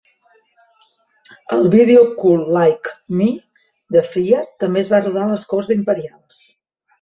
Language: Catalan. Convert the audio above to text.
El vídeo Cool Like Me de Fryar també es va rodar a les corts imperials.